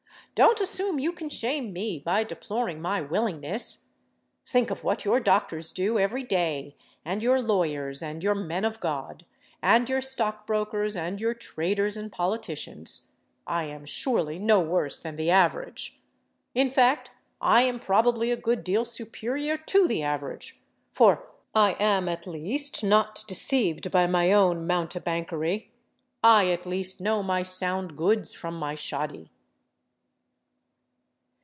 Don't assume you can shame me by deploring my willingness. Think of what your doctors do every day, and your lawyers, and your men of God, and your stockbrokers, and your traders and politicians. I am surely no worse than the average. In fact, I am probably a good deal superior to the average, for I am at least not deceived by my own mountebankery—I at least know my sound goods from my shoddy."